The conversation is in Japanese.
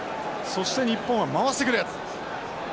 そして日本は回してくる。